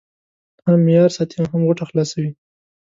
هم معیار ساتي او هم غوټه خلاصوي.